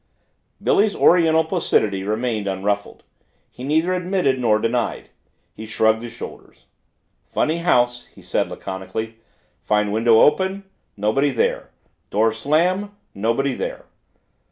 Billy's Oriental placidity remained unruffled. He neither admitted nor denied. He shrugged his shoulders. "Funny house," he said laconically. "Find window open nobody there. Door slam nobody there!"